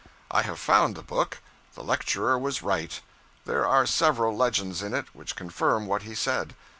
I have found the book. The lecturer was right. There are several legends in it which confirm what he said.